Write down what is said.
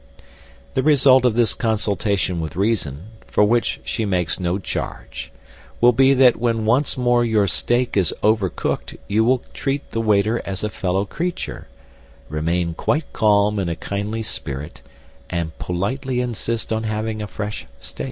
The result of this consultation with reason (for which she makes no charge) will be that when once more your steak is over cooked you will treat the waiter as a fellow creature, remain quite calm in a kindly spirit, and politely insist on having a fresh steak.